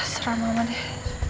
serah mama deh